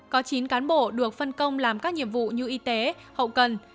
có chín cán bộ được phân công làm các nhiệm vụ như y tế hậu cần